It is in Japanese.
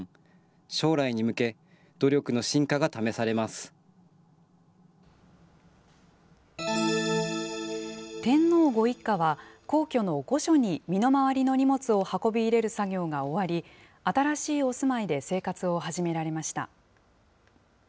将来に向け、天皇ご一家は、皇居の御所に身の回りの荷物を運び入れる作業が終わり、新しいお住まいで生活を始められました。